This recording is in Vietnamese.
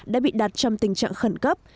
đã bị đặt trong tình trạng khẩn cấp